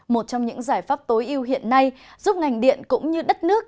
một trong những giải pháp tối ưu hiện nay giúp ngành điện cũng như đất nước